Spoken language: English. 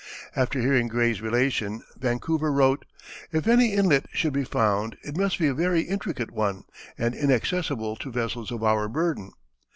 After hearing Gray's relation Vancouver wrote: "If any inlet should be found, it must be a very intricate one, and inaccessible to vessels of our burden....